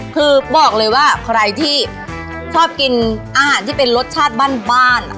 คือบอกเลยว่าใครที่ชอบกินอาหารที่เป็นรสชาติบ้าน